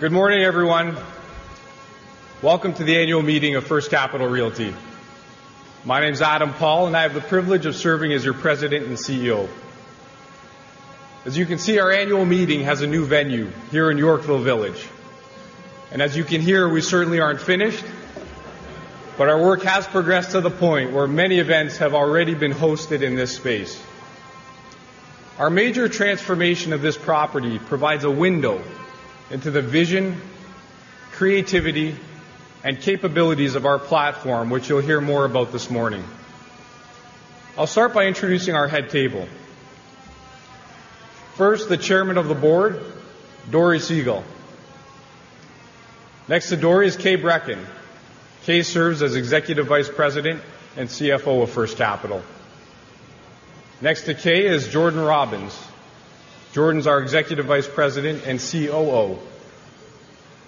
Good morning, everyone. Welcome to the annual meeting of First Capital Realty. My name is Adam Paul, and I have the privilege of serving as your President and CEO. As you can see, our annual meeting has a new venue here in Yorkville Village. As you can hear, we certainly aren't finished, but our work has progressed to the point where many events have already been hosted in this space. Our major transformation of this property provides a window into the vision, creativity, and capabilities of our platform, which you'll hear more about this morning. I'll start by introducing our head table. First, the Chairman of the Board, Dori Segal. Next to Dori is Kay Brekken. Kay serves as Executive Vice President and CFO of First Capital. Next to Kay is Jordan Robins. Jordan is our Executive Vice President and COO.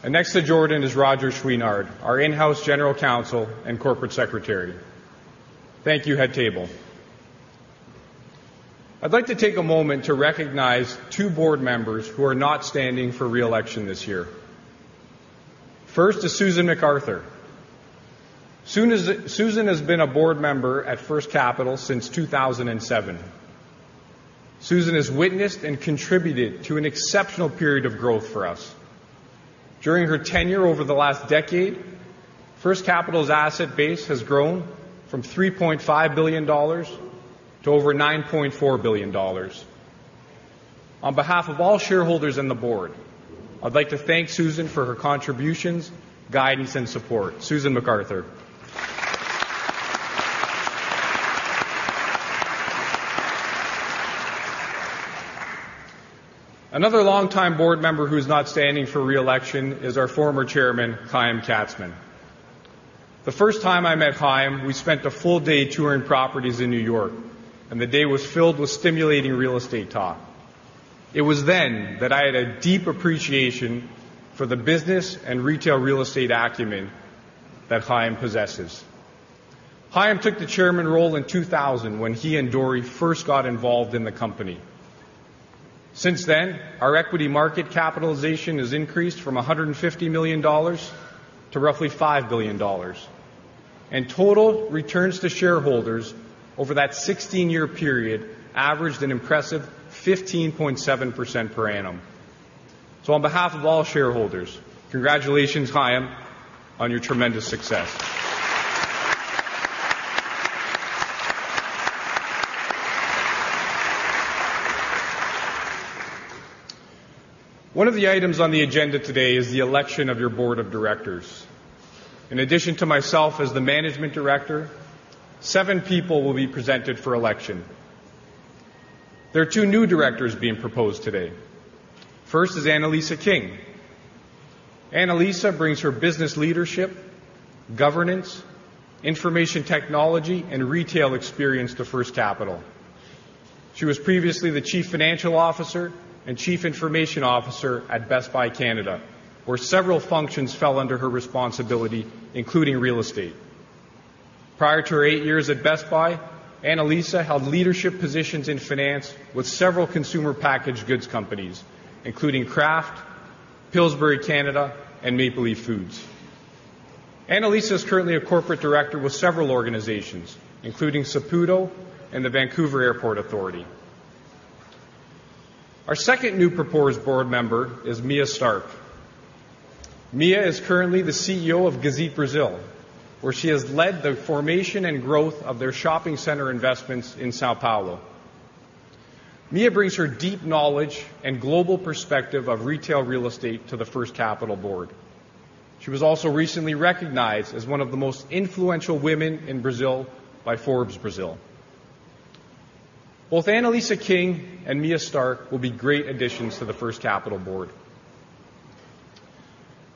Next to Jordan is Roger Chouinard, our in-house General Counsel and Corporate Secretary. Thank you, head table. I'd like to take a moment to recognize two board members who are not standing for re-election this year. First is Susan McArthur. Susan has been a board member at First Capital since 2007. Susan has witnessed and contributed to an exceptional period of growth for us. During her tenure over the last decade, First Capital's asset base has grown from 3.5 billion dollars to over 9.4 billion dollars. On behalf of all shareholders and the board, I'd like to thank Susan for her contributions, guidance, and support. Susan McArthur. Another longtime board member who is not standing for re-election is our former Chairman, Chaim Katzman. The first time I met Chaim, we spent a full day touring properties in New York, and the day was filled with stimulating real estate talk. It was then that I had a deep appreciation for the business and retail real estate acumen that Chaim possesses. Chaim took the Chairman role in 2000 when he and Dori first got involved in the company. Since then, our equity market capitalization has increased from 150 million dollars to roughly 5 billion dollars. Total returns to shareholders over that 16-year period averaged an impressive 15.7% per annum. On behalf of all shareholders, congratulations, Chaim, on your tremendous success. One of the items on the agenda today is the election of your board of directors. In addition to myself as the management director, seven people will be presented for election. There are two new directors being proposed today. First is Annalisa King. Annalisa brings her business leadership, governance, information technology, and retail experience to First Capital. She was previously the Chief Financial Officer and Chief Information Officer at Best Buy Canada, where several functions fell under her responsibility, including real estate. Prior to her eight years at Best Buy, Annalisa held leadership positions in finance with several consumer packaged goods companies, including Kraft, Pillsbury Canada, and Maple Leaf Foods. Annalisa is currently a corporate director with several organizations, including Saputo and the Vancouver Airport Authority. Our second new proposed board member is Mia Stark. Mia is currently the CEO of Gazit Brazil, where she has led the formation and growth of their shopping center investments in São Paulo. Mia brings her deep knowledge and global perspective of retail real estate to the First Capital board. She was also recently recognized as one of the most influential women in Brazil by Forbes Brazil. Both Annalisa King and Mia Stark will be great additions to the First Capital board.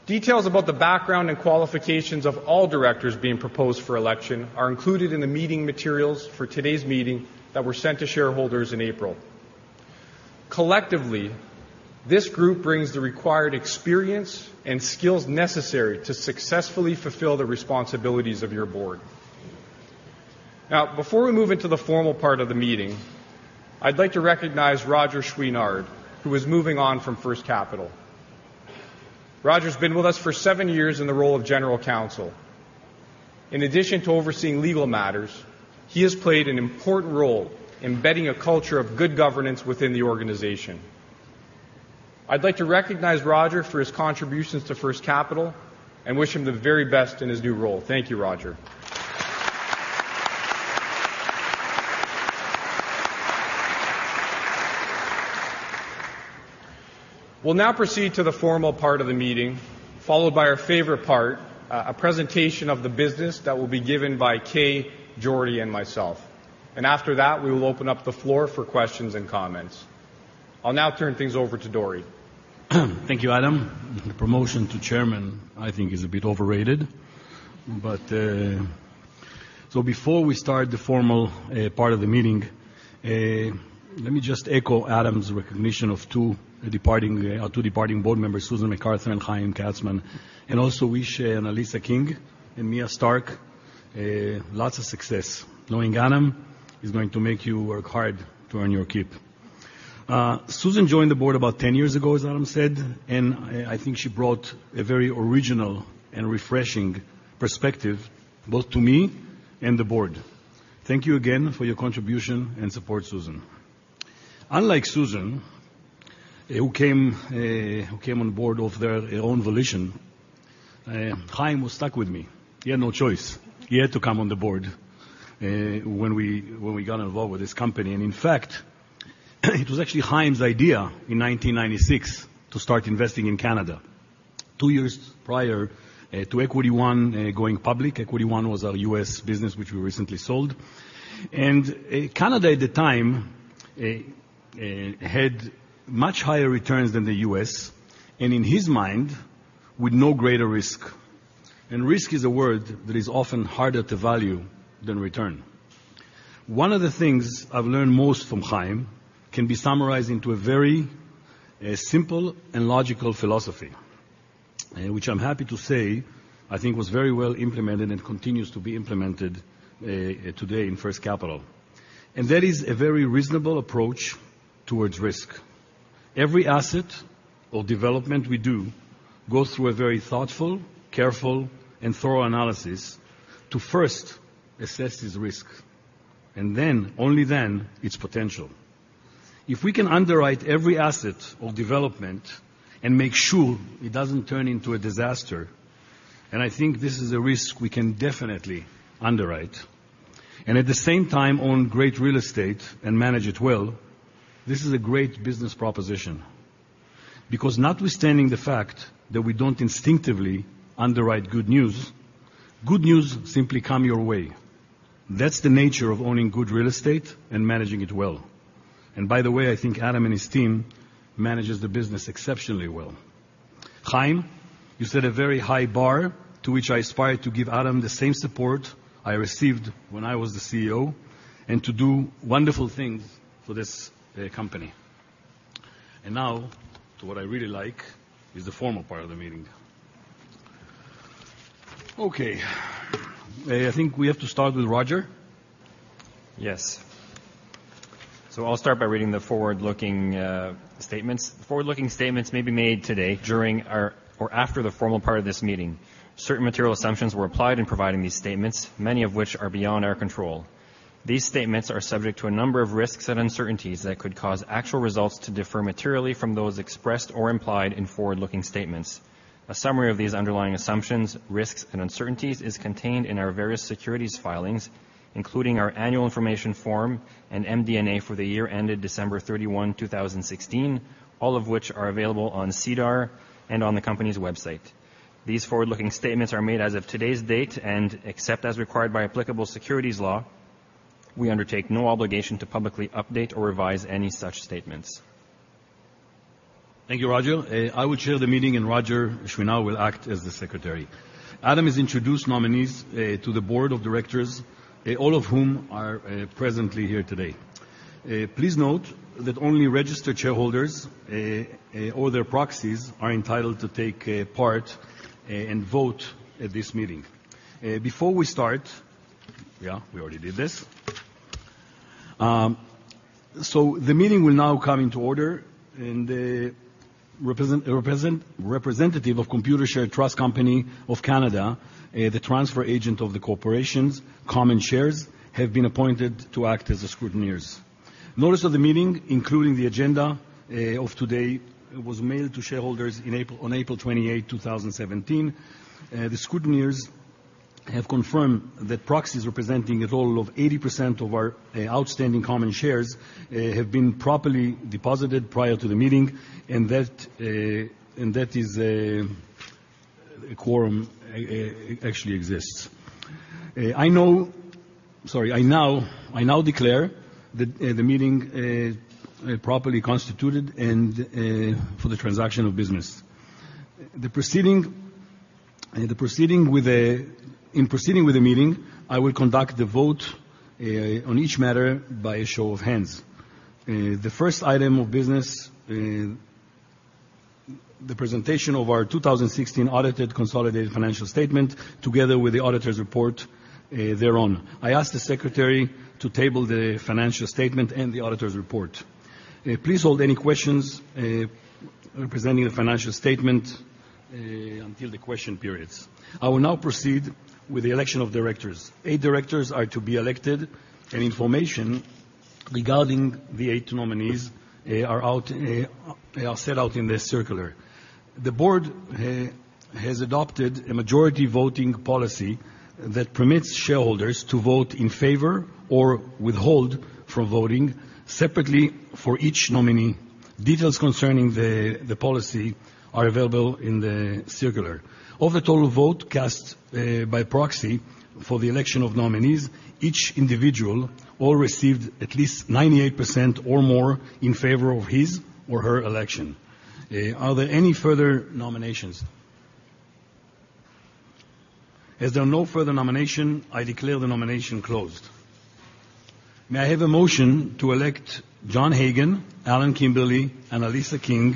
Details about the background and qualifications of all directors being proposed for election are included in the meeting materials for today's meeting that were sent to shareholders in April. Collectively, this group brings the required experience and skills necessary to successfully fulfill the responsibilities of your board. Before we move into the formal part of the meeting, I'd like to recognize Roger Chouinard, who is moving on from First Capital. Roger's been with us for seven years in the role of general counsel. In addition to overseeing legal matters, he has played an important role embedding a culture of good governance within the organization. I'd like to recognize Roger for his contributions to First Capital and wish him the very best in his new role. Thank you, Roger. We'll now proceed to the formal part of the meeting, followed by our favorite part, a presentation of the business that will be given by Kay, Jordy, and myself. After that, we will open up the floor for questions and comments. I'll now turn things over to Dori. Thank you, Adam. The promotion to chairman, I think, is a bit overrated. Before we start the formal part of the meeting, let me just echo Adam's recognition of our two departing board members, Susan McArthur and Chaim Katzman, and also wish Annalisa King and Mia Stark lots of success. Knowing Adam, he's going to make you work hard to earn your keep. Susan joined the board about 10 years ago, as Adam said, and I think she brought a very original and refreshing perspective, both to me and the board. Thank you again for your contribution and support, Susan. Unlike Susan, who came on board of their own volition, Chaim was stuck with me. He had no choice. He had to come on the board when we got involved with this company. In fact, it was actually Chaim's idea in 1996 to start investing in Canada two years prior to Equity One going public. Equity One was our U.S. business, which we recently sold. Canada, at the time, had much higher returns than the U.S., and in his mind, with no greater risk. Risk is a word that is often harder to value than return. One of the things I've learned most from Chaim can be summarized into a very simple and logical philosophy, which I'm happy to say I think was very well implemented and continues to be implemented today in First Capital. That is a very reasonable approach towards risk. Every asset or development we do goes through a very thoughtful, careful, and thorough analysis to first assess its risk, and then, only then, its potential. If we can underwrite every asset or development and make sure it doesn't turn into a disaster, I think this is a risk we can definitely underwrite, at the same time own great real estate and manage it well, this is a great business proposition. Notwithstanding the fact that we don't instinctively underwrite good news, good news simply come your way. That's the nature of owning good real estate and managing it well. By the way, I think Adam and his team manages the business exceptionally well. Chaim, you set a very high bar to which I aspire to give Adam the same support I received when I was the CEO, to do wonderful things for this company. Now to what I really like, is the formal part of the meeting. I think we have to start with Roger. I'll start by reading the forward-looking statements. Forward-looking statements may be made today, during or after the formal part of this meeting. Certain material assumptions were applied in providing these statements, many of which are beyond our control. These statements are subject to a number of risks and uncertainties that could cause actual results to differ materially from those expressed or implied in forward-looking statements. A summary of these underlying assumptions, risks, and uncertainties is contained in our various securities filings, including our annual information form and MD&A for the year ended December 31, 2016, all of which are available on SEDAR and on the company's website. These forward-looking statements are made as of today's date. Except as required by applicable securities law, we undertake no obligation to publicly update or revise any such statements. Thank you, Roger. I will chair the meeting, Roger Chouinard will act as the secretary. Adam has introduced nominees to the board of directors, all of whom are presently here today. Please note that only registered shareholders or their proxies are entitled to take part and vote at this meeting. The meeting will now come into order, a representative of Computershare Trust Company of Canada, the transfer agent of the corporation's common shares, have been appointed to act as the scrutineers. Notice of the meeting, including the agenda of today, was mailed to shareholders on April 28, 2017. The scrutineers have confirmed that proxies representing a total of 80% of our outstanding common shares have been properly deposited prior to the meeting, a quorum actually exists. I now declare the meeting properly constituted for the transaction of business. In proceeding with the meeting, I will conduct the vote on each matter by a show of hands. The first item of business, the presentation of our 2016 audited consolidated financial statement, together with the auditor's report thereon. I ask the secretary to table the financial statement and the auditor's report. Please hold any questions representing the financial statement until the question periods. I will now proceed with the election of directors. Eight directors are to be elected. Information regarding the eight nominees are set out in the circular. The board has adopted a majority voting policy that permits shareholders to vote in favor or withhold from voting separately for each nominee. Details concerning the policy are available in the circular. Of the total vote cast by proxy for the election of nominees, each individual all received at least 98% or more in favor of his or her election. Are there any further nominations? As there are no further nominations, I declare the nomination closed. May I have a motion to elect Jon Hagan, Al Mawani, Annalisa King,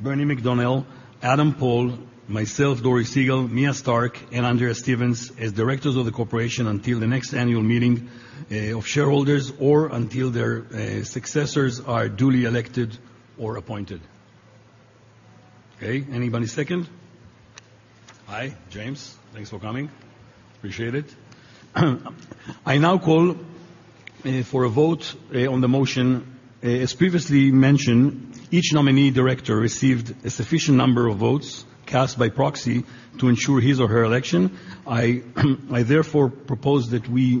Bernie McDonell, Adam Paul, myself, Dori Segal, Mia Stark, and Andrea Stephen as directors of the corporation until the next annual meeting of shareholders or until their successors are duly elected or appointed. Okay. Anybody second? Aye, James. Thanks for coming. Appreciate it. I now call for a vote on the motion. As previously mentioned, each nominee director received a sufficient number of votes cast by proxy to ensure his or her election. I therefore propose that we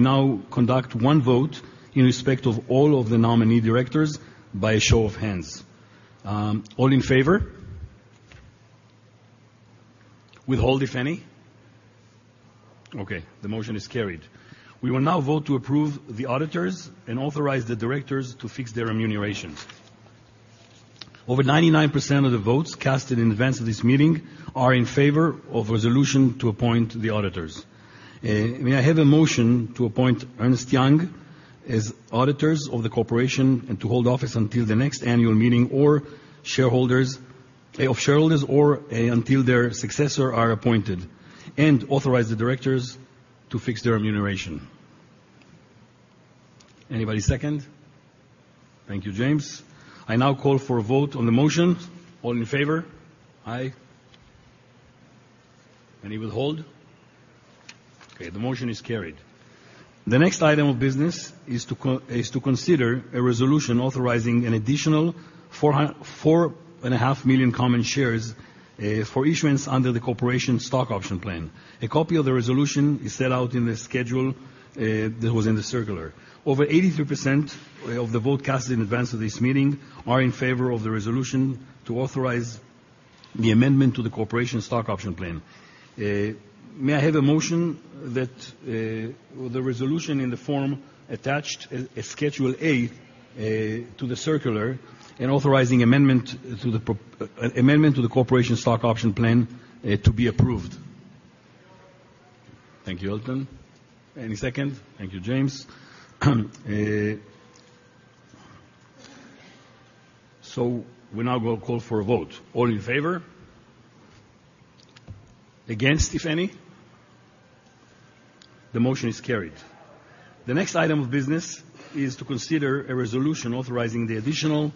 now conduct one vote in respect of all of the nominee directors by a show of hands. All in favor? Withhold, if any? Okay, the motion is carried. We will now vote to approve the auditors and authorize the directors to fix their remunerations. Over 99% of the votes cast in advance of this meeting are in favor of the resolution to appoint the auditors. May I have a motion to appoint Ernst & Young as auditors of the corporation and to hold office until the next annual meeting of shareholders or until their successors are appointed and authorize the directors to fix their remuneration. Anybody second? Thank you, James. I now call for a vote on the motion. All in favor? Aye. Any withhold? Okay, the motion is carried. The next item of business is to consider a resolution authorizing an additional four and a half million common shares for issuance under the corporation stock option plan. A copy of the resolution is set out in the schedule that was in the circular. Over 83% of the votes cast in advance of this meeting are in favor of the resolution to authorize the amendment to the corporation stock option plan. May I have a motion that the resolution in the form attached at Schedule A to the circular and authorizing amendment to the corporation stock option plan to be approved. I move. Thank you, Elton. Any second? Thank you, James. We now will call for a vote. All in favor? Against, if any? The motion is carried. The next item of business is to consider a resolution authorizing the additional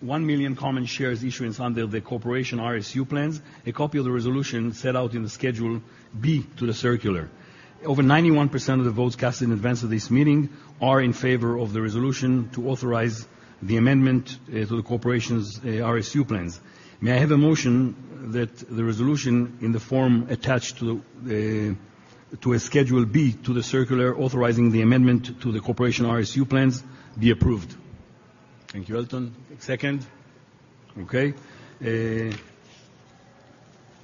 1 million common shares issuance under the corporation RSU plans, a copy of the resolution set out in the Schedule B to the circular. Over 91% of the votes cast in advance of this meeting are in favor of the resolution to authorize the amendment to the corporation's RSU plans. May I have a motion that the resolution in the form attached to a Schedule B to the circular authorizing the amendment to the corporation RSU plans be approved. Thank you, Elton. Second? Okay.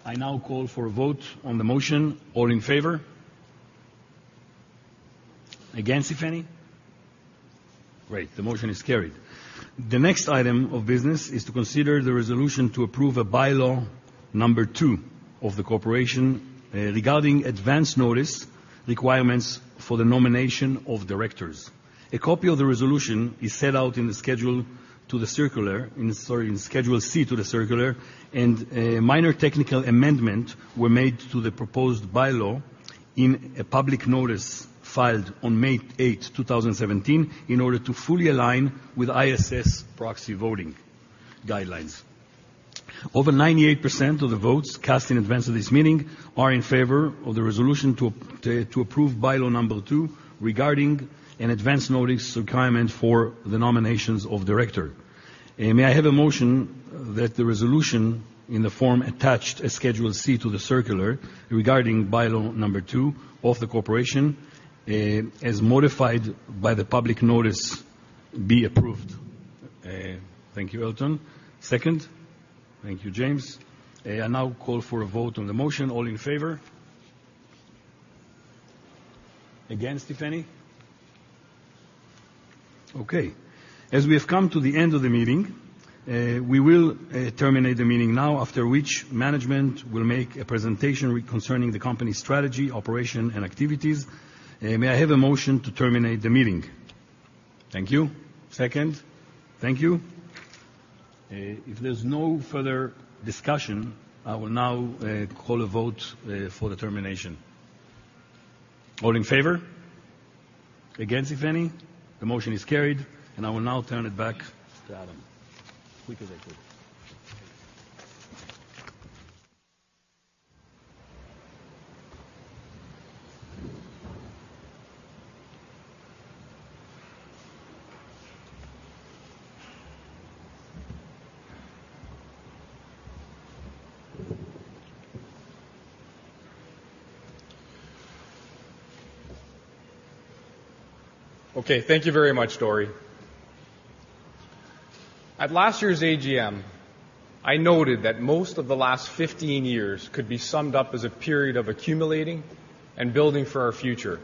I now call for a vote on the motion. All in favor? Against, if any? Great. The motion is carried. The next item of business is to consider the resolution to approve a byelaw number 2 of the corporation regarding advance notice requirements for the nomination of directors. A copy of the resolution is set out in the schedule to the circular, sorry, in Schedule C to the circular, and a minor technical amendment were made to the proposed byelaw in a public notice filed on May 8, 2017, in order to fully align with ISS proxy voting guidelines. Over 98% of the votes cast in advance of this meeting are in favor of the resolution to approve byelaw number 2 regarding an advance notice requirement for the nominations of director. May I have a motion that the resolution in the form attached at Schedule C to the circular regarding byelaw number 2 of the corporation, as modified by the public notice, be approved. Thank you, Elton. Second? Thank you, James. I now call for a vote on the motion. All in favor? Against, if any? Okay. As we have come to the end of the meeting, we will terminate the meeting now, after which management will make a presentation concerning the company strategy, operation, and activities. May I have a motion to terminate the meeting? Thank you. Second? Thank you. If there's no further discussion, I will now call a vote for the termination. All in favor? Against, if any? The motion is carried, and I will now turn it back to Adam. Quick as I could. Okay. Thank you very much, Dori. At last year's AGM, I noted that most of the last 15 years could be summed up as a period of accumulating and building for our future.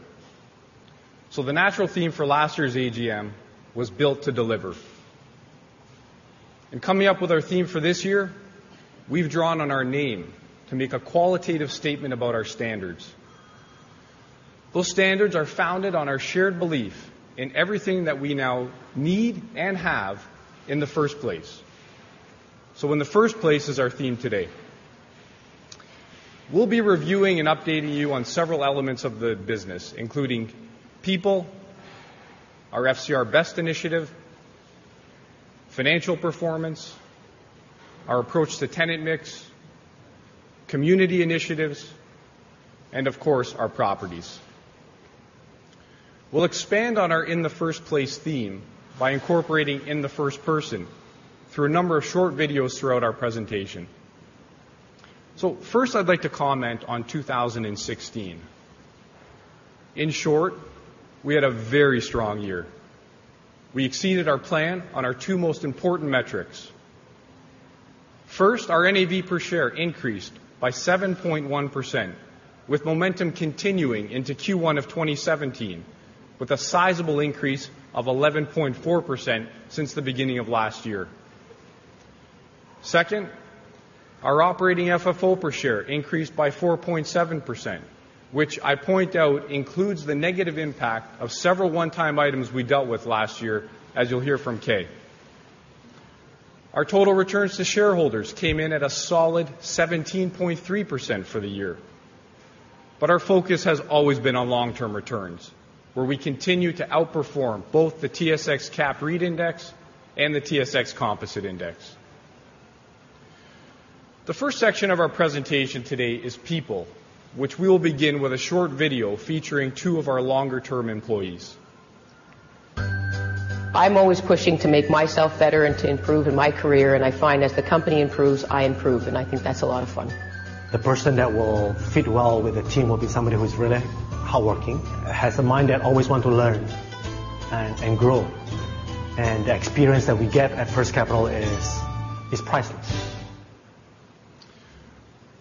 The natural theme for last year's AGM was built to deliver. In coming up with our theme for this year, we've drawn on our name to make a qualitative statement about our standards Those standards are founded on our shared belief in everything that we now need and have in the first place. "In the first place" is our theme today. We'll be reviewing and updating you on several elements of the business, including people, our FCR Best initiative, financial performance, our approach to tenant mix, community initiatives, and of course, our properties. We'll expand on our in the first place theme by incorporating in the first person through a number of short videos throughout our presentation. First, I'd like to comment on 2016. In short, we had a very strong year. We exceeded our plan on our two most important metrics. First, our NAV per share increased by 7.1%, with momentum continuing into Q1 of 2017 with a sizable increase of 11.4% since the beginning of last year. Second, our operating FFO per share increased by 4.7%, which, I point out, includes the negative impact of several one-time items we dealt with last year, as you'll hear from Kay. Our total returns to shareholders came in at a solid 17.3% for the year. Our focus has always been on long-term returns, where we continue to outperform both the TSX Capped REIT Index and the TSX Composite Index. The first section of our presentation today is people, which we will begin with a short video featuring two of our longer-term employees. I'm always pushing to make myself better and to improve in my career. I find as the company improves, I improve, I think that's a lot of fun. The person that will fit well with the team will be somebody who's really hard-working, has a mind that always want to learn and grow. The experience that we get at First Capital is priceless.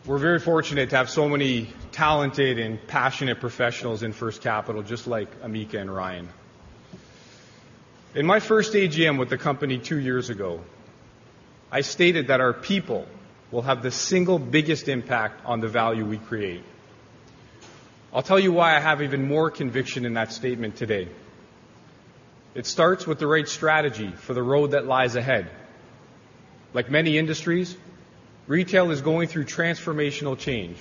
We're very fortunate to have so many talented and passionate professionals in First Capital, just like Amika and Ryan. In my first AGM with the company two years ago, I stated that our people will have the single biggest impact on the value we create. I'll tell you why I have even more conviction in that statement today. It starts with the right strategy for the road that lies ahead. Like many industries, retail is going through transformational change,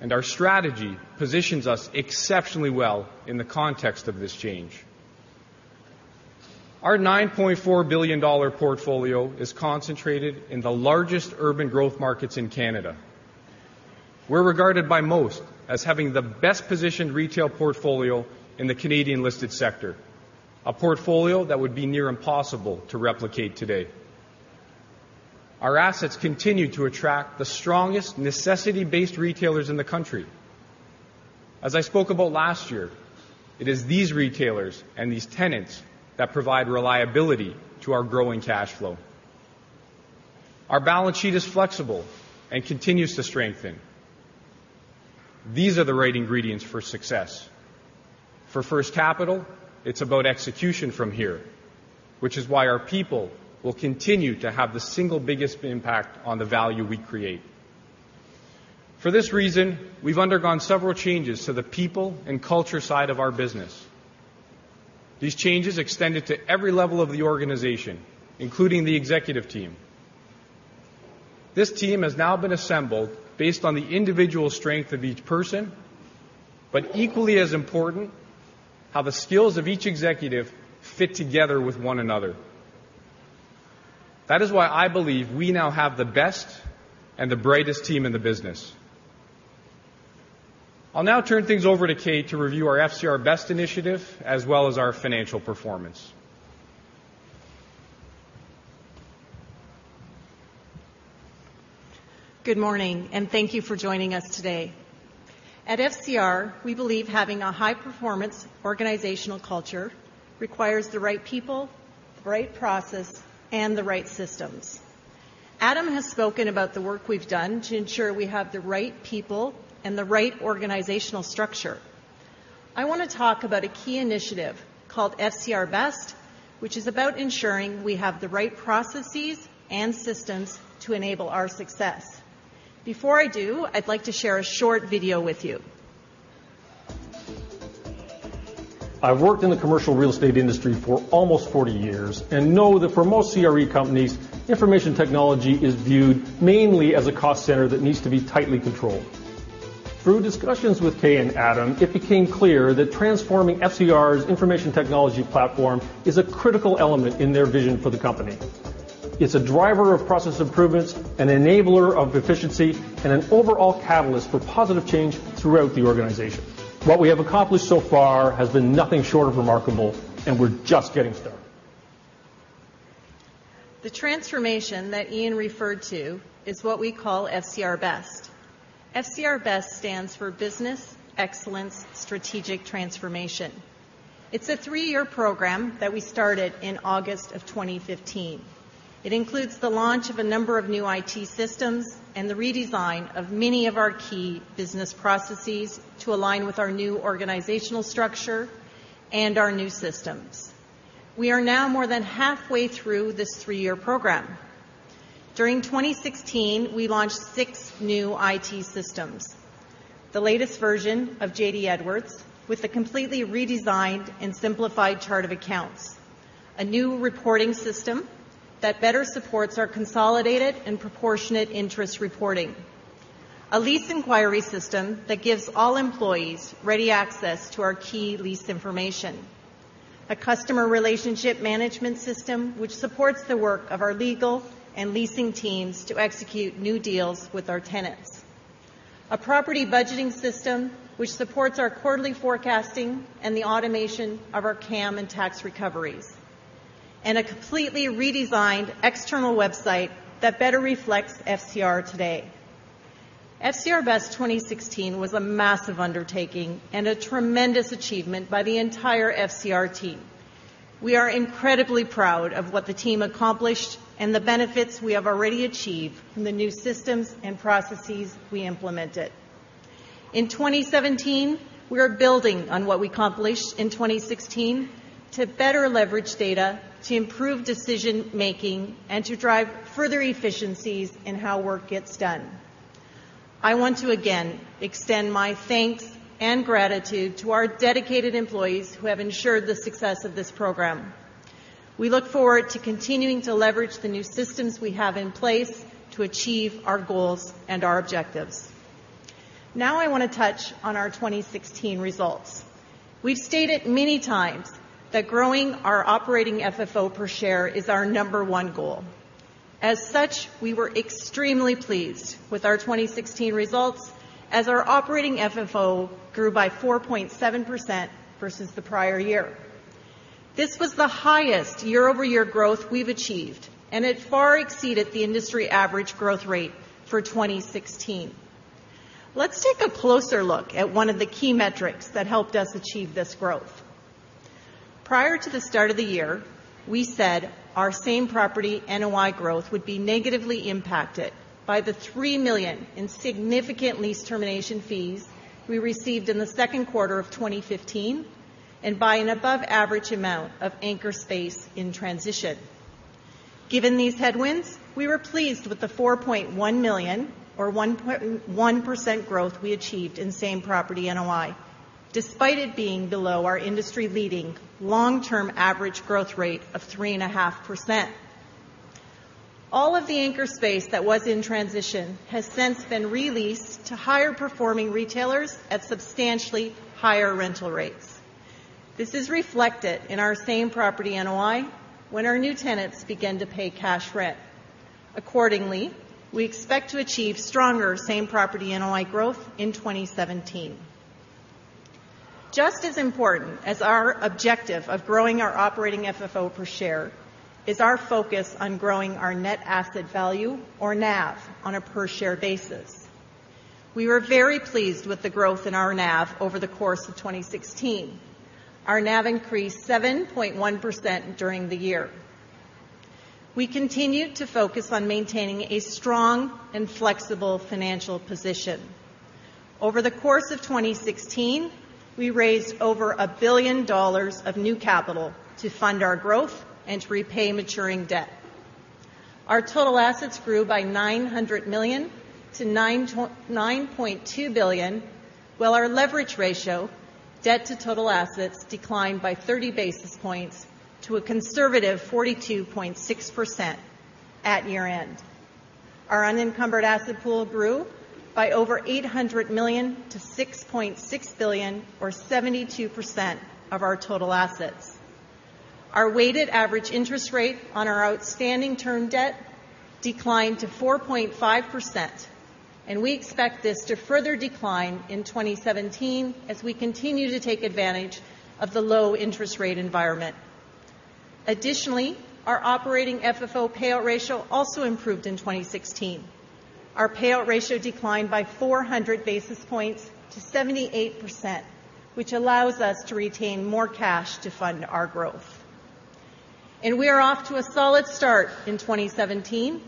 and our strategy positions us exceptionally well in the context of this change. Our 9.4 billion dollar portfolio is concentrated in the largest urban growth markets in Canada. We're regarded by most as having the best-positioned retail portfolio in the Canadian-listed sector, a portfolio that would be near impossible to replicate today. Our assets continue to attract the strongest necessity-based retailers in the country. As I spoke about last year, it is these retailers and these tenants that provide reliability to our growing cash flow. Our balance sheet is flexible and continues to strengthen. These are the right ingredients for success. For First Capital, it's about execution from here, which is why our people will continue to have the single biggest impact on the value we create. For this reason, we've undergone several changes to the people and culture side of our business. These changes extended to every level of the organization, including the Executive Team. This team has now been assembled based on the individual strength of each person, but equally as important, how the skills of each executive fit together with one another. That is why I believe we now have the best and the brightest team in the business. I'll now turn things over to Kay to review our FCR Best initiative, as well as our financial performance. Good morning. Thank you for joining us today. At FCR, we believe having a high-performance organizational culture requires the right people, the right process, and the right systems. Adam has spoken about the work we've done to ensure we have the right people and the right organizational structure. I want to talk about a key initiative called FCR Best, which is about ensuring we have the right processes and systems to enable our success. Before I do, I'd like to share a short video with you. I've worked in the commercial real estate industry for almost 40 years and know that for most CRE companies, information technology is viewed mainly as a cost center that needs to be tightly controlled. Through discussions with Kay and Adam, it became clear that transforming FCR's information technology platform is a critical element in their vision for the company. It's a driver of process improvements, an enabler of efficiency, and an overall catalyst for positive change throughout the organization. What we have accomplished so far has been nothing short of remarkable, and we're just getting started. The transformation that Ian referred to is what we call FCR Best. FCR Best stands for Business Excellence Strategic Transformation. It's a three-year program that we started in August of 2015. It includes the launch of a number of new IT systems and the redesign of many of our key business processes to align with our new organizational structure and our new systems. We are now more than halfway through this three-year program. During 2016, we launched six new IT systems. The latest version of J.D. Edwards with a completely redesigned and simplified chart of accounts. A new reporting system that better supports our consolidated and proportionate interest reporting. A lease inquiry system that gives all employees ready access to our key lease information. A customer relationship management system which supports the work of our legal and leasing teams to execute new deals with our tenants. A property budgeting system which supports our quarterly forecasting and the automation of our CAM and tax recoveries. A completely redesigned external website that better reflects FCR today. FCR Best 2016 was a massive undertaking and a tremendous achievement by the entire FCR team. We are incredibly proud of what the team accomplished and the benefits we have already achieved from the new systems and processes we implemented. In 2017, we are building on what we accomplished in 2016 to better leverage data, to improve decision-making, and to drive further efficiencies in how work gets done. I want to again extend my thanks and gratitude to our dedicated employees who have ensured the success of this program. We look forward to continuing to leverage the new systems we have in place to achieve our goals and our objectives. I want to touch on our 2016 results. We've stated many times that growing our operating FFO per share is our number one goal. As such, we were extremely pleased with our 2016 results as our operating FFO grew by 4.7% versus the prior year. This was the highest year-over-year growth we've achieved, and it far exceeded the industry average growth rate for 2016. Let's take a closer look at one of the key metrics that helped us achieve this growth. Prior to the start of the year, we said our same property NOI growth would be negatively impacted by the 3 million in significant lease termination fees we received in the second quarter of 2015, and by an above average amount of anchor space in transition. Given these headwinds, we were pleased with the 4.1 million or 1.1% growth we achieved in same property NOI, despite it being below our industry-leading long-term average growth rate of 3.5%. All of the anchor space that was in transition has since been re-leased to higher performing retailers at substantially higher rental rates. This is reflected in our same property NOI when our new tenants begin to pay cash rent. Accordingly, we expect to achieve stronger same property NOI growth in 2017. Just as important as our objective of growing our operating FFO per share is our focus on growing our net asset value or NAV on a per share basis. We were very pleased with the growth in our NAV over the course of 2016. Our NAV increased 7.1% during the year. We continued to focus on maintaining a strong and flexible financial position. Over the course of 2016, we raised over 1 billion dollars of new capital to fund our growth and to repay maturing debt. Our total assets grew by 900 million to 9.2 billion, while our leverage ratio, debt to total assets, declined by 30 basis points to a conservative 42.6% at year-end. Our unencumbered asset pool grew by over 800 million to 6.6 billion or 72% of our total assets. Our weighted average interest rate on our outstanding term debt declined to 4.5%, and we expect this to further decline in 2017 as we continue to take advantage of the low interest rate environment. Additionally, our operating FFO payout ratio also improved in 2016. Our payout ratio declined by 400 basis points to 78%, which allows us to retain more cash to fund our growth. We are off to a solid start in 2017.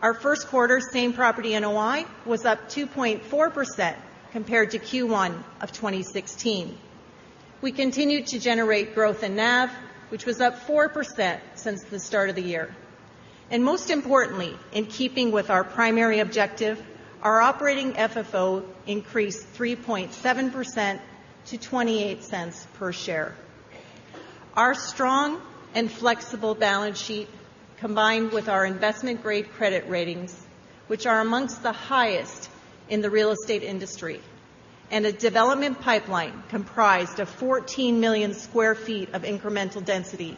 Our first quarter same property NOI was up 2.4% compared to Q1 of 2016. We continued to generate growth in NAV, which was up 4% since the start of the year. Most importantly, in keeping with our primary objective, our operating FFO increased 3.7% to 0.28 per share. Our strong and flexible balance sheet, combined with our investment-grade credit ratings, which are amongst the highest in the real estate industry, and a development pipeline comprised of 14 million sq ft of incremental density,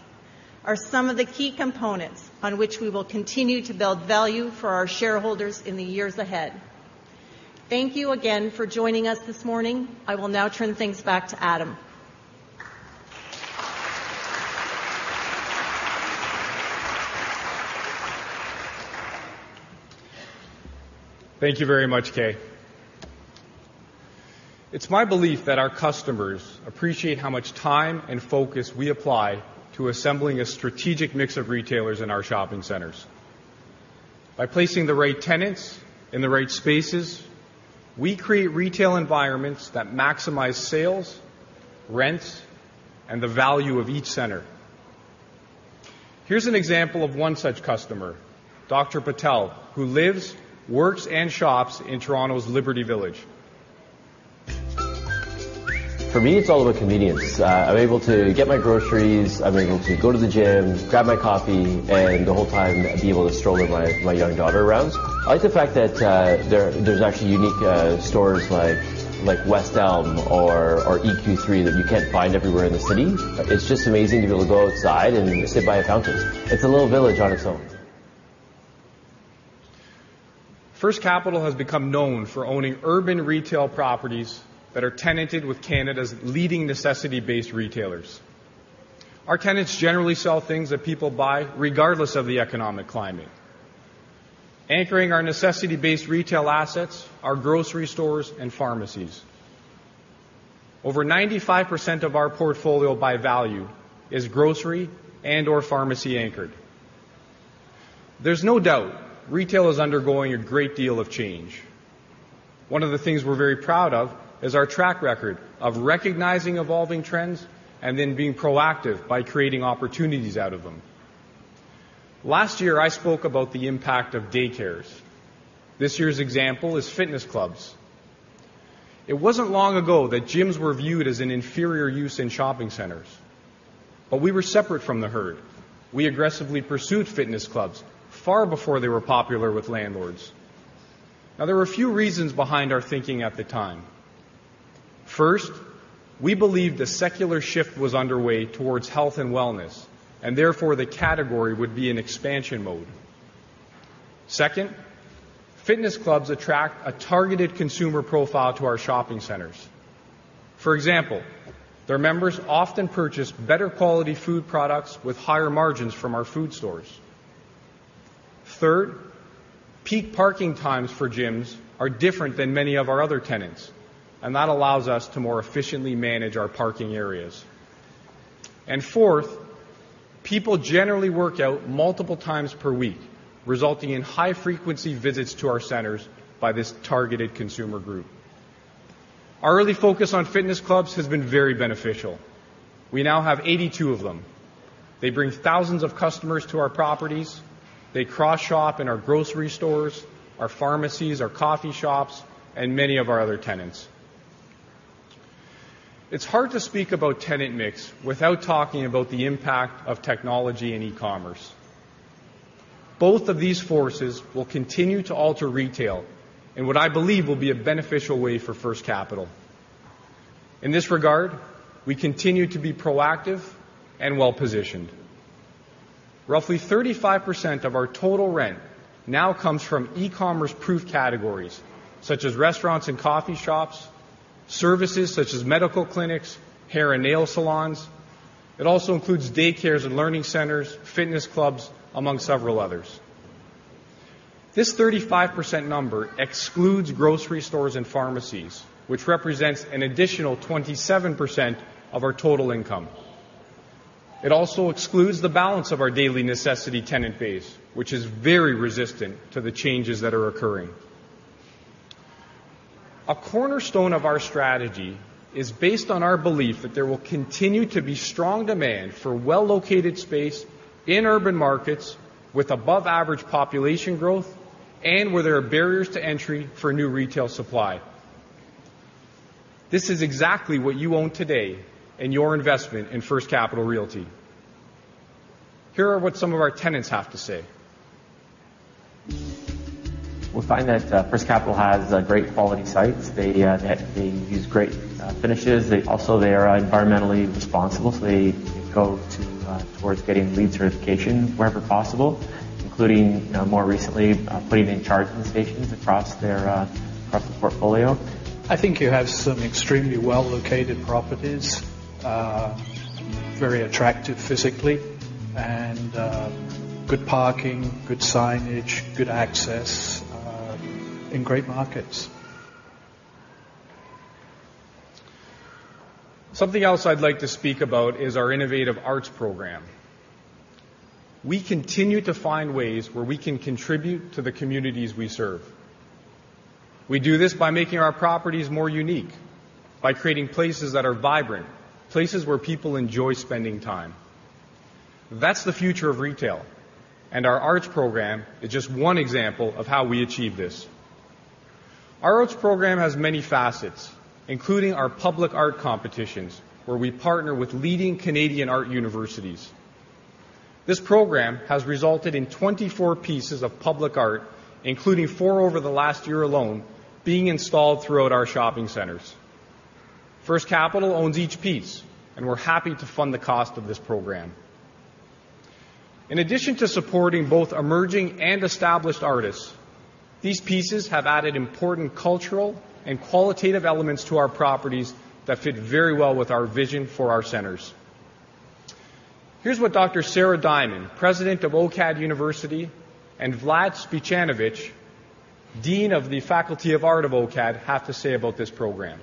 are some of the key components on which we will continue to build value for our shareholders in the years ahead. Thank you again for joining us this morning. I will now turn things back to Adam. Thank you very much, Kay. It's my belief that our customers appreciate how much time and focus we apply to assembling a strategic mix of retailers in our shopping centers. By placing the right tenants in the right spaces, we create retail environments that maximize sales, rents, and the value of each center. Here's an example of one such customer, Dr. Patel, who lives, works, and shops in Toronto's Liberty Village. For me, it's all about convenience. I'm able to get my groceries, I'm able to go to the gym, grab my coffee, and the whole time be able to stroll with my young daughter around. I like the fact that there's actually unique stores like West Elm or EQ3 that you can't find everywhere in the city. It's just amazing to be able to go outside and sit by a fountain. It's a little village on its own. First Capital has become known for owning urban retail properties that are tenanted with Canada's leading necessity-based retailers. Our tenants generally sell things that people buy regardless of the economic climate. Anchoring our necessity-based retail assets are grocery stores and pharmacies. Over 95% of our portfolio by value is grocery and/or pharmacy anchored. There's no doubt retail is undergoing a great deal of change. One of the things we're very proud of is our track record of recognizing evolving trends and then being proactive by creating opportunities out of them. Last year, I spoke about the impact of day cares. This year's example is fitness clubs. It wasn't long ago that gyms were viewed as an inferior use in shopping centers. But we were separate from the herd. We aggressively pursued fitness clubs far before they were popular with landlords. Now, there were a few reasons behind our thinking at the time. First, we believed a secular shift was underway towards health and wellness, and therefore, the category would be in expansion mode. Second, fitness clubs attract a targeted consumer profile to our shopping centers. For example, their members often purchase better quality food products with higher margins from our food stores. Third, peak parking times for gyms are different than many of our other tenants, and that allows us to more efficiently manage our parking areas. Fourth, people generally work out multiple times per week, resulting in high-frequency visits to our centers by this targeted consumer group. Our early focus on fitness clubs has been very beneficial. We now have 82 of them. They bring thousands of customers to our properties. They cross-shop in our grocery stores, our pharmacies, our coffee shops, and many of our other tenants. It's hard to speak about tenant mix without talking about the impact of technology and e-commerce. Both of these forces will continue to alter retail in what I believe will be a beneficial way for First Capital. In this regard, we continue to be proactive and well-positioned. Roughly 35% of our total rent now comes from e-commerce proof categories such as restaurants and coffee shops, services such as medical clinics, hair and nail salons. It also includes day cares and learning centers, fitness clubs, among several others. This 35% number excludes grocery stores and pharmacies, which represents an additional 27% of our total income. It also excludes the balance of our daily necessity tenant base, which is very resistant to the changes that are occurring. A cornerstone of our strategy is based on our belief that there will continue to be strong demand for well-located space in urban markets with above-average population growth and where there are barriers to entry for new retail supply. This is exactly what you own today in your investment in First Capital Realty. Here are what some of our tenants have to say. We find that First Capital has great quality sites. They use great finishes. They are environmentally responsible, so they go towards getting LEED certification wherever possible, including more recently putting in charging stations across the portfolio. I think you have some extremely well-located properties, very attractive physically, and good parking, good signage, good access, in great markets. Something else I'd like to speak about is our innovative Arts Program. We continue to find ways where we can contribute to the communities we serve. We do this by making our properties more unique, by creating places that are vibrant, places where people enjoy spending time. That's the future of retail, and our Arts Program is just one example of how we achieve this. Our Arts Program has many facets, including our public art competitions, where we partner with leading Canadian art universities. This program has resulted in 24 pieces of public art, including four over the last year alone, being installed throughout our shopping centers. First Capital owns each piece, and we're happy to fund the cost of this program. In addition to supporting both emerging and established artists, these pieces have added important cultural and qualitative elements to our properties that fit very well with our vision for our centers. Here's what Dr. Sara Diamond, President of OCAD University, and Vladimir Spicanovic, Dean of the Faculty of Art of OCAD, have to say about this program.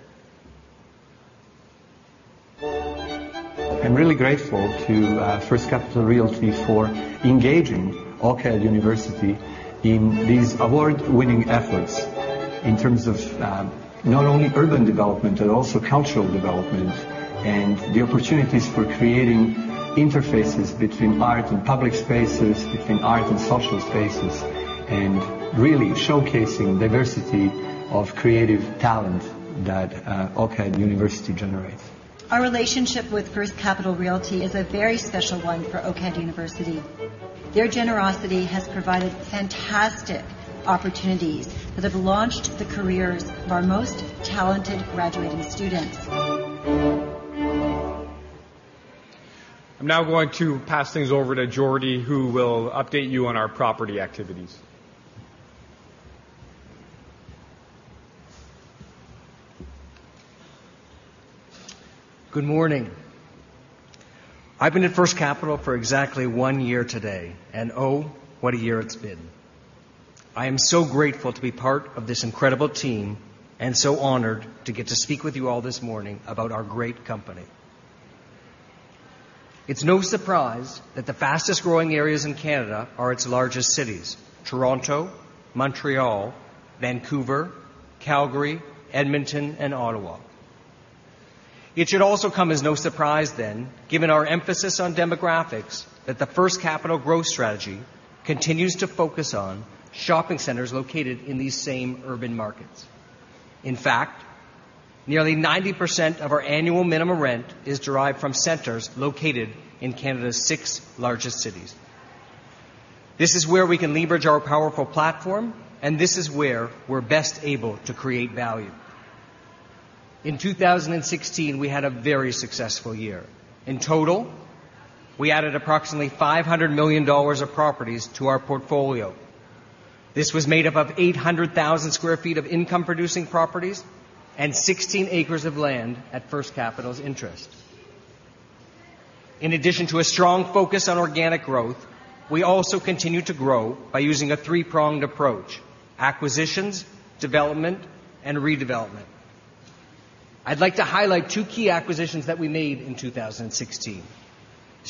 I'm really grateful to First Capital Realty for engaging OCAD University in these award-winning efforts in terms of not only urban development, but also cultural development, and the opportunities for creating interfaces between art and public spaces, between art and social spaces, and really showcasing diversity of creative talent that OCAD University generates. Our relationship with First Capital Realty is a very special one for OCAD University. Their generosity has provided fantastic opportunities that have launched the careers of our most talented graduating students. I'm now going to pass things over to Jordy, who will update you on our property activities. Good morning. I've been at First Capital for exactly one year today, and oh, what a year it's been. I am so grateful to be part of this incredible team and so honored to get to speak with you all this morning about our great company. It's no surprise that the fastest-growing areas in Canada are its largest cities: Toronto, Montreal, Vancouver, Calgary, Edmonton, and Ottawa. It should also come as no surprise, given our emphasis on demographics, that the First Capital growth strategy continues to focus on shopping centers located in these same urban markets. In fact, nearly 90% of our annual minimum rent is derived from centers located in Canada's six largest cities. This is where we can leverage our powerful platform, this is where we're best able to create value. In 2016, we had a very successful year. In total, we added approximately 500 million dollars of properties to our portfolio. This was made up of 800,000 sq ft of income-producing properties and 16 acres of land at First Capital's interest. In addition to a strong focus on organic growth, we also continue to grow by using a three-pronged approach: acquisitions, development, and redevelopment. I'd like to highlight two key acquisitions that we made in 2016.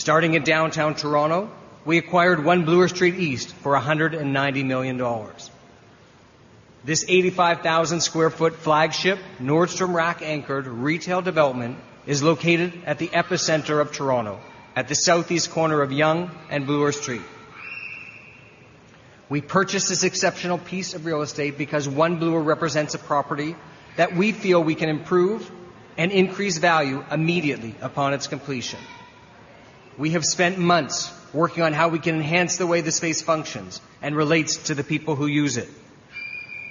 In downtown Toronto, we acquired One Bloor Street East for 190 million dollars. This 85,000 sq ft flagship, Nordstrom Rack-anchored retail development is located at the epicenter of Toronto, at the southeast corner of Yonge and Bloor Street. We purchased this exceptional piece of real estate because One Bloor represents a property that we feel we can improve and increase value immediately upon its completion. We have spent months working on how we can enhance the way the space functions and relates to the people who use it,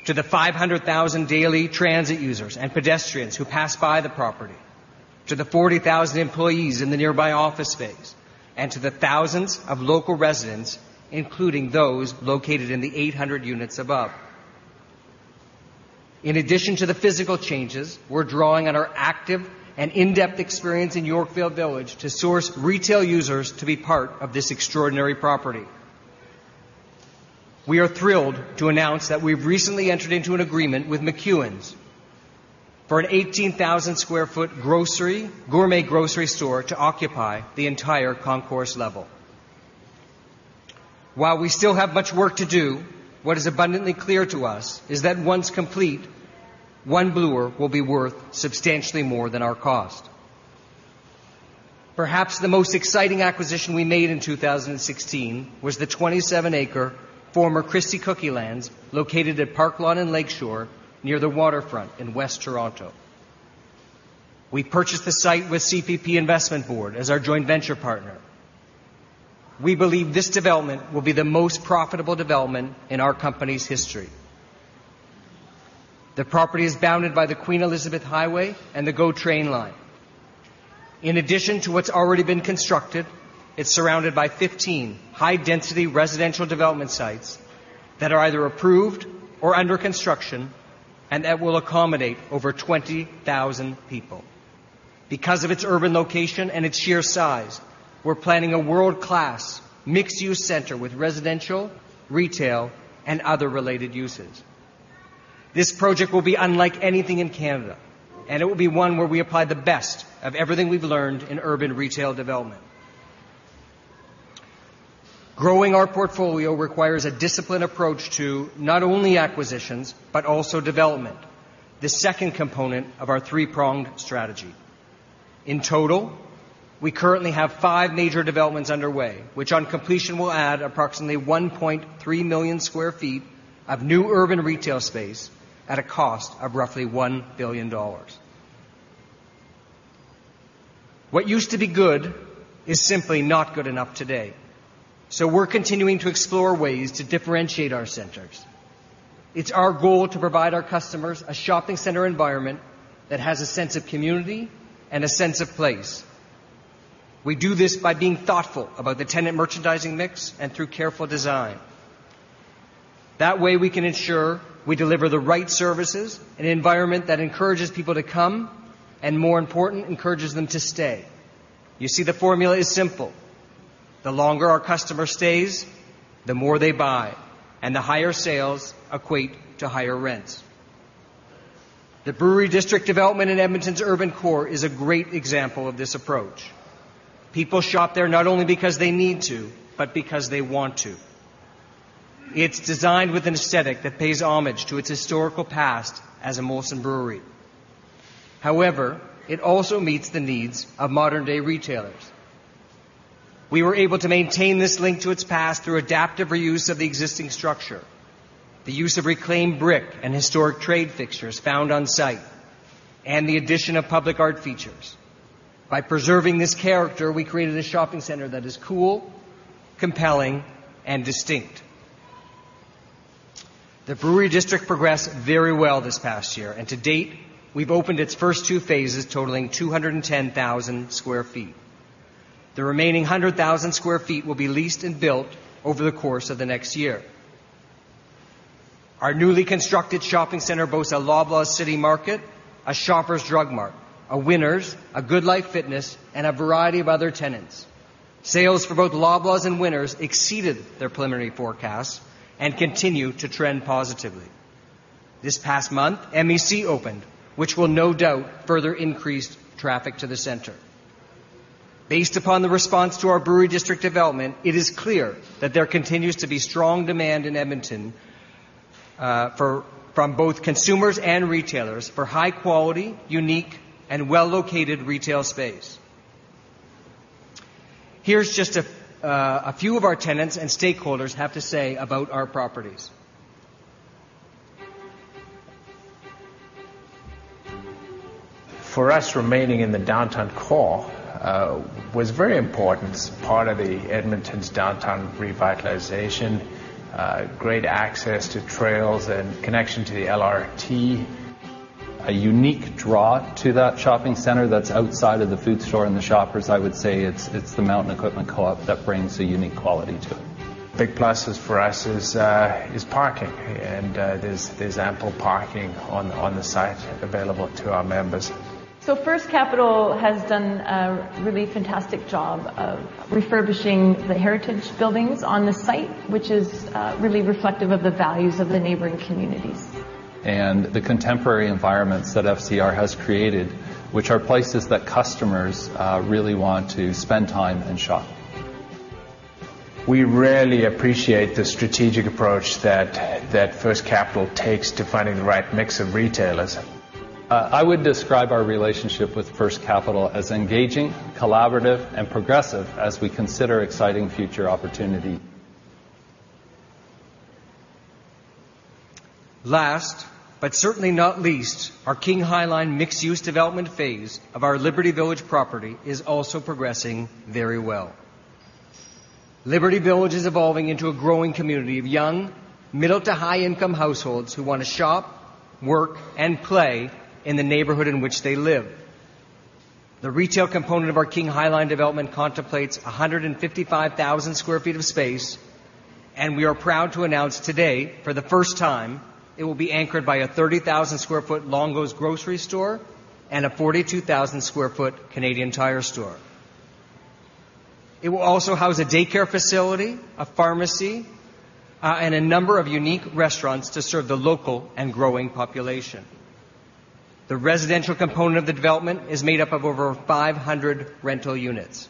to the 500,000 daily transit users and pedestrians who pass by the property, to the 40,000 employees in the nearby office space, and to the thousands of local residents, including those located in the 800 units above. In addition to the physical changes, we're drawing on our active and in-depth experience in Yorkville Village to source retail users to be part of this extraordinary property. We are thrilled to announce that we've recently entered into an agreement with McEwan's for an 18,000 sq ft gourmet grocery store to occupy the entire concourse level. While we still have much work to do, what is abundantly clear to us is that once complete, One Bloor will be worth substantially more than our cost. Perhaps the most exciting acquisition we made in 2016 was the 27-acre former Christie Cookielands, located at Park Lawn and Lake Shore, near the waterfront in West Toronto. We purchased the site with CPP Investment Board as our joint venture partner. We believe this development will be the most profitable development in our company's history. The property is bounded by the Queen Elizabeth Way and the GO Transit line. In addition to what's already been constructed, it's surrounded by 15 high-density residential development sites that are either approved or under construction and that will accommodate over 20,000 people. Because of its urban location and its sheer size, we're planning a world-class, mixed-use center with residential, retail, and other related uses. This project will be unlike anything in Canada, it will be one where we apply the best of everything we've learned in urban retail development. Growing our portfolio requires a disciplined approach to not only acquisitions, but also development, the second component of our three-pronged strategy. In total, we currently have five major developments underway, which on completion will add approximately 1.3 million sq ft of new urban retail space at a cost of roughly 1 billion dollars. What used to be good is simply not good enough today, so we're continuing to explore ways to differentiate our centers. It's our goal to provide our customers a shopping center environment that has a sense of community and a sense of place. We do this by being thoughtful about the tenant merchandising mix and through careful design. That way, we can ensure we deliver the right services and an environment that encourages people to come, and more important, encourages them to stay. You see, the formula is simple. The longer our customer stays, the more they buy, and the higher sales equate to higher rents. The Brewery District development in Edmonton's urban core is a great example of this approach. People shop there not only because they need to but because they want to. It's designed with an aesthetic that pays homage to its historical past as a Molson Brewery. However, it also meets the needs of modern-day retailers. We were able to maintain this link to its past through adaptive reuse of the existing structure, the use of reclaimed brick and historic trade fixtures found on site, and the addition of public art features. By preserving this character, we created a shopping center that is cool, compelling, and distinct. The Brewery District progressed very well this past year, and to date, we've opened its first two phases totaling 210,000 sq ft. The remaining 100,000 sq ft will be leased and built over the course of the next year. Our newly constructed shopping center boasts a Loblaws CityMarket, a Shoppers Drug Mart, a Winners, a GoodLife Fitness, and a variety of other tenants. Sales for both Loblaws and Winners exceeded their preliminary forecasts and continue to trend positively. This past month, MEC opened, which will no doubt further increase traffic to the center. Based upon the response to our Brewery District development, it is clear that there continues to be strong demand in Edmonton from both consumers and retailers for high-quality, unique, and well-located retail space. Here's just a few of our tenants and stakeholders have to say about our properties. For us, remaining in the downtown core was very important. It's part of Edmonton's downtown revitalization, great access to trails, and connection to the LRT. A unique draw to that shopping center that's outside of the food store and the Shoppers, I would say, it's the Mountain Equipment Co-op that brings a unique quality to it. Big pluses for us is parking, and there's ample parking on the site available to our members. First Capital has done a really fantastic job of refurbishing the heritage buildings on this site, which is really reflective of the values of the neighboring communities. The contemporary environments that FCR has created, which are places that customers really want to spend time and shop. We really appreciate the strategic approach that First Capital takes to finding the right mix of retailers. I would describe our relationship with First Capital as engaging, collaborative, and progressive as we consider exciting future opportunity. Last, but certainly not least, our King Highline mixed-use development phase of our Liberty Village property is also progressing very well. Liberty Village is evolving into a growing community of young, middle-to-high income households who want to shop, work, and play in the neighborhood in which they live. The retail component of our King Highline development contemplates 155,000 sq ft of space, and we are proud to announce today, for the first time, it will be anchored by a 30,000 sq ft Longo's grocery store and a 42,000 sq ft Canadian Tire store. It will also house a daycare facility, a pharmacy, and a number of unique restaurants to serve the local and growing population. The residential component of the development is made up of over 500 rental units.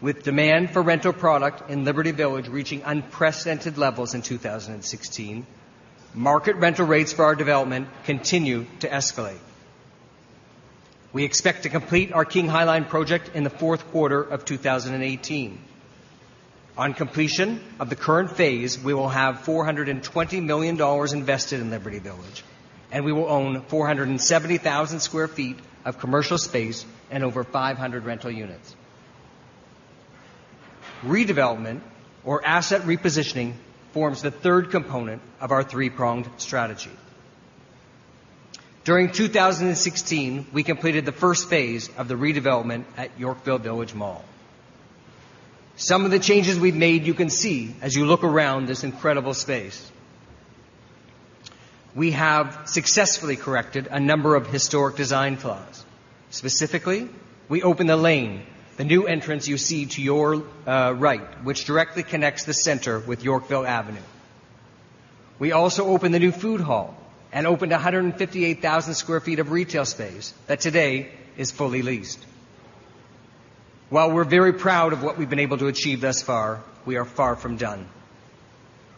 With demand for rental product in Liberty Village reaching unprecedented levels in 2016, market rental rates for our development continue to escalate. We expect to complete our King Highline project in the fourth quarter of 2018. On completion of the current phase, we will have 420 million dollars invested in Liberty Village, and we will own 470,000 sq ft of commercial space and over 500 rental units. Redevelopment or asset repositioning forms the third component of our three-pronged strategy. During 2016, we completed the first phase of the redevelopment at Yorkville Village Mall. Some of the changes we've made you can see as you look around this incredible space. We have successfully corrected a number of historic design flaws. Specifically, we opened a lane, the new entrance you see to your right, which directly connects the center with Yorkville Avenue. We also opened the new food hall and opened 158,000 square feet of retail space that today is fully leased. While we're very proud of what we've been able to achieve thus far, we are far from done.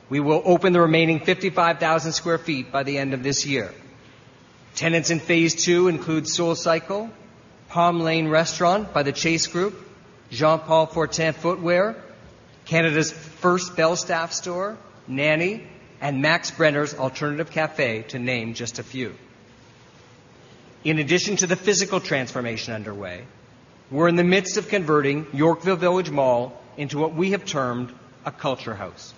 We will open the remaining 55,000 square feet by the end of this year. Tenants in phase 2 include SoulCycle, Palm Lane Restaurant by the Chase Hospitality Group, Jean-Paul Fortin footwear, Canada's first Belstaff store, Nanni, and Max Brenner's alternative cafe, to name just a few. In addition to the physical transformation underway, we're in the midst of converting Yorkville Village Mall into what we have termed a culture house.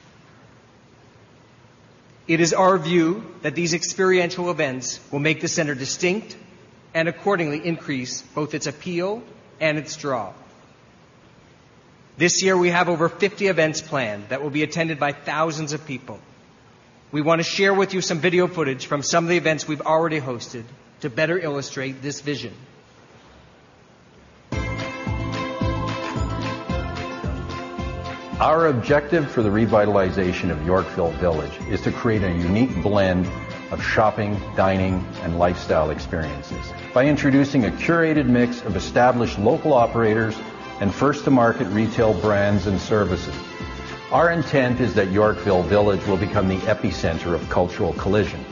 It is our view that these experiential events will make the center distinct and accordingly increase both its appeal and its draw. This year, we have over 50 events planned that will be attended by thousands of people. We want to share with you some video footage from some of the events we've already hosted to better illustrate this vision. Our objective for the revitalization of Yorkville Village is to create a unique blend of shopping, dining, and lifestyle experiences by introducing a curated mix of established local operators and first-to-market retail brands and services. Our intent is that Yorkville Village will become the epicenter of cultural collision.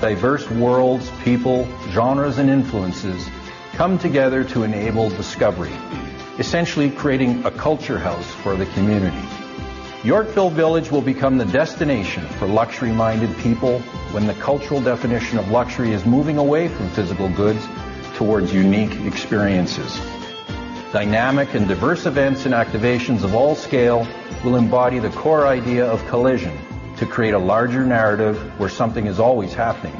Diverse worlds, people, genres, and influences come together to enable discovery, essentially creating a culture house for the community. Yorkville Village will become the destination for luxury-minded people when the cultural definition of luxury is moving away from physical goods towards unique experiences. Dynamic and diverse events and activations of all scale will embody the core idea of collision to create a larger narrative where something is always happening.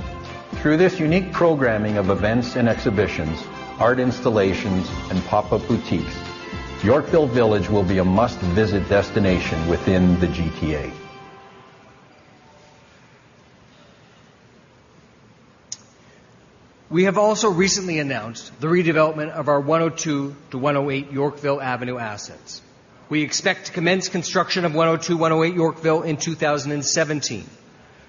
Through this unique programming of events and exhibitions, art installations, and pop-up boutiques, Yorkville Village will be a must-visit destination within the GTA. We have also recently announced the redevelopment of our 102 to 108 Yorkville Avenue assets. We expect to commence construction of 102, 108 Yorkville in 2017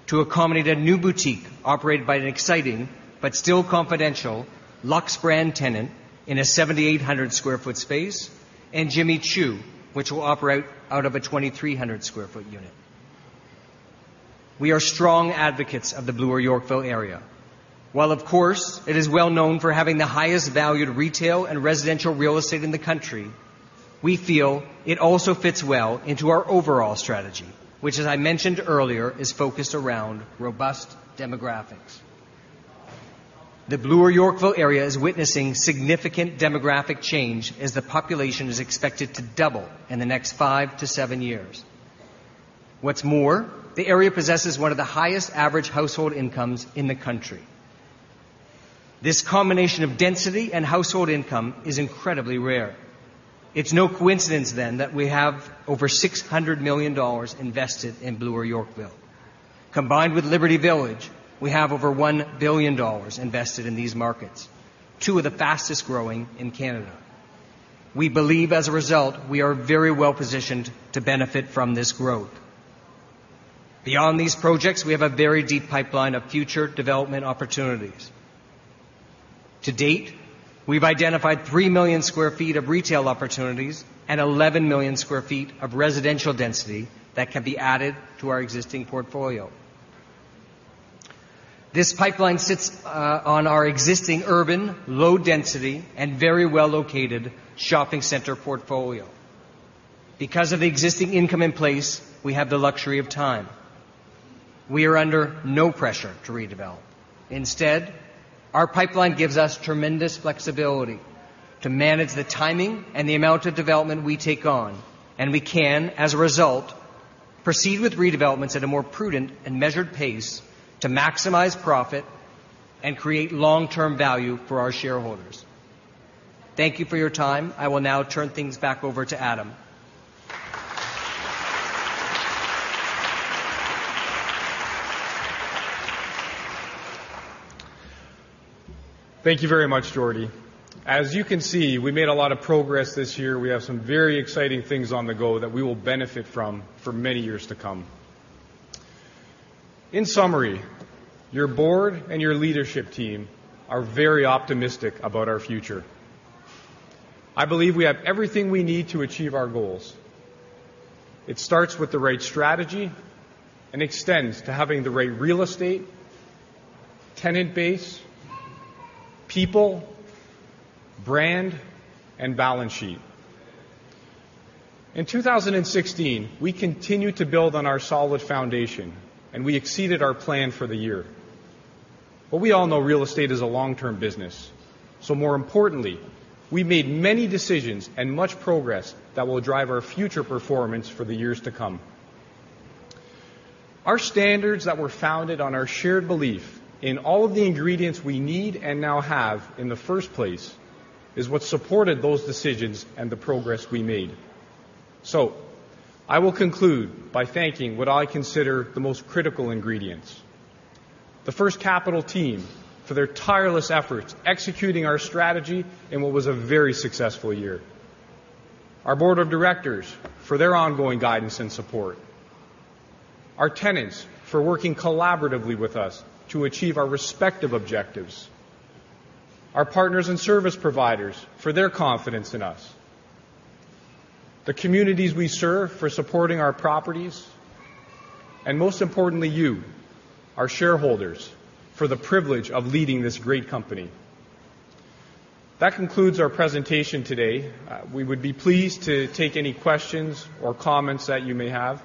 to accommodate a new boutique operated by an exciting, but still confidential, luxe brand tenant in a 7,800 square foot space, and Jimmy Choo, which will operate out of a 2,300 square foot unit. We are strong advocates of the Bloor-Yorkville area. While of course, it is well known for having the highest valued retail and residential real estate in the country, we feel it also fits well into our overall strategy, which as I mentioned earlier, is focused around robust demographics. The Bloor-Yorkville area is witnessing significant demographic change as the population is expected to double in the next 5 to 7 years. What's more, the area possesses one of the highest average household incomes in the country. This combination of density and household income is incredibly rare. It's no coincidence then that we have over 600 million dollars invested in Bloor-Yorkville. Combined with Liberty Village, we have over 1 billion dollars invested in these markets, two of the fastest-growing in Canada. We believe, as a result, we are very well-positioned to benefit from this growth. Beyond these projects, we have a very deep pipeline of future development opportunities. To date, we've identified 3 million square feet of retail opportunities and 11 million square feet of residential density that can be added to our existing portfolio. This pipeline sits on our existing urban, low-density, and very well-located shopping center portfolio. Because of existing income in place, we have the luxury of time. We are under no pressure to redevelop. Instead, our pipeline gives us tremendous flexibility to manage the timing and the amount of development we take on. We can, as a result, proceed with redevelopments at a more prudent and measured pace to maximize profit and create long-term value for our shareholders. Thank you for your time. I will now turn things back over to Adam. Thank you very much, Jordy. As you can see, we made a lot of progress this year. We have some very exciting things on the go that we will benefit from for many years to come. In summary, your board and your leadership team are very optimistic about our future. I believe we have everything we need to achieve our goals. It starts with the right strategy and extends to having the right real estate, tenant base, people, brand, and balance sheet. In 2016, we continued to build on our solid foundation. We exceeded our plan for the year. We all know real estate is a long-term business. More importantly, we made many decisions and much progress that will drive our future performance for the years to come. Our standards that were founded on our shared belief in all of the ingredients we need and now have in the first place is what supported those decisions and the progress we made. I will conclude by thanking what I consider the most critical ingredients. The First Capital team for their tireless efforts executing our strategy in what was a very successful year. Our board of directors for their ongoing guidance and support. Our tenants for working collaboratively with us to achieve our respective objectives. Our partners and service providers for their confidence in us. The communities we serve for supporting our properties. Most importantly, you, our shareholders, for the privilege of leading this great company. That concludes our presentation today. We would be pleased to take any questions or comments that you may have.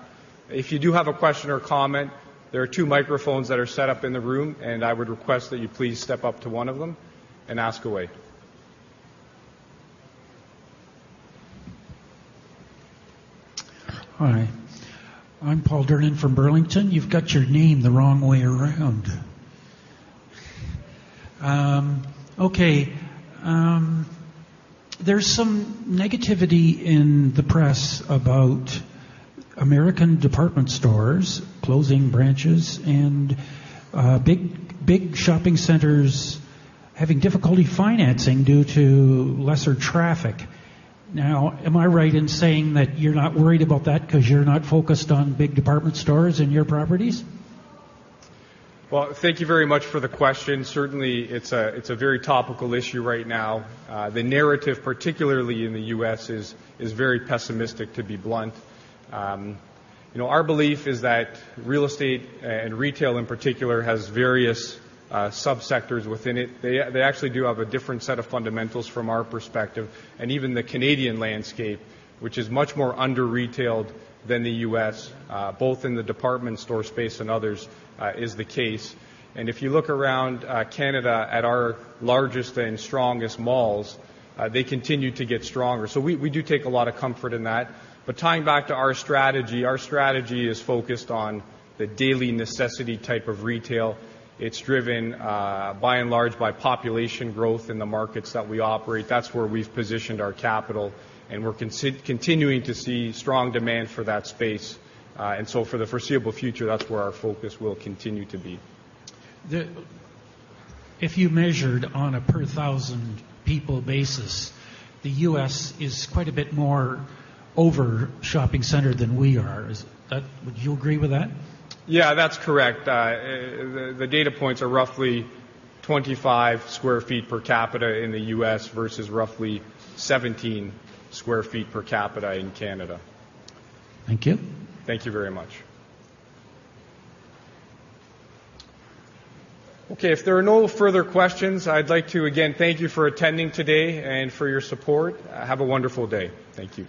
If you do have a question or comment, there are two microphones that are set up in the room, and I would request that you please step up to one of them and ask away. Hi. I'm Paul Durnin from Burlington. You've got your name the wrong way around. Okay. There's some negativity in the press about American department stores closing branches and big shopping centers having difficulty financing due to lesser traffic. Now, am I right in saying that you're not worried about that because you're not focused on big department stores in your properties? Thank you very much for the question. Certainly, it's a very topical issue right now. The narrative, particularly in the U.S., is very pessimistic, to be blunt. Our belief is that real estate and retail, in particular, has various sub-sectors within it. They actually do have a different set of fundamentals from our perspective. Even the Canadian landscape, which is much more under-retailed than the U.S., both in the department store space and others, is the case. If you look around Canada at our largest and strongest malls, they continue to get stronger. We do take a lot of comfort in that. Tying back to our strategy, our strategy is focused on the daily necessity type of retail. It's driven by and large by population growth in the markets that we operate. That's where we've positioned our capital, and we're continuing to see strong demand for that space. For the foreseeable future, that's where our focus will continue to be. If you measured on a per thousand people basis, the U.S. is quite a bit more over shopping center than we are. Would you agree with that? Yeah, that's correct. The data points are roughly 25 square feet per capita in the U.S. versus roughly 17 square feet per capita in Canada. Thank you. Thank you very much. Okay, if there are no further questions, I'd like to, again, thank you for attending today and for your support. Have a wonderful day. Thank you.